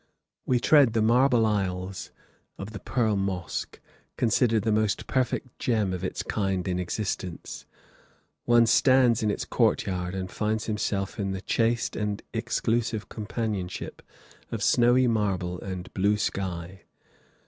We tread the marble aisles of the Pearl Mosque, considered the most perfect gem of its kind in existence. One stands in its court yard and finds himself in the chaste and exclusive companionship of snowy marble and blue sky.